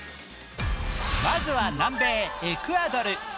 まずは南米・エクアドル。